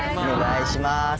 お願いします。